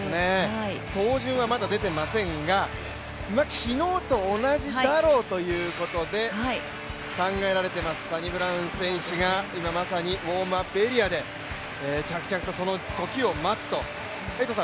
走順はまだ出ていませんが昨日と同じだろうということで考えられています、サニブラウン選手が今まさにウォームアップエリアで着々とそのときを待つと。